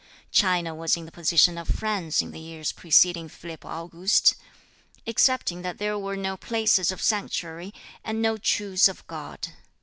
China was in the position of France in the years preceding Philippe Auguste, excepting that there were no places of sanctuary and no Truce of God.